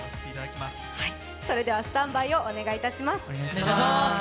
それではスタンバイをお願いします。